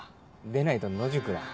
でないと野宿だ。